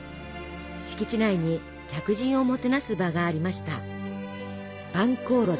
敷地内に客人をもてなす場がありました。